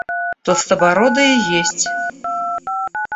Толстобородый и есть.